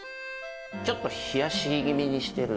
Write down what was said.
ちょっと冷やし気味にしてるんですね。